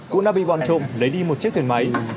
cũng đã bị bọn trộm lấy đi một chiếc thuyền máy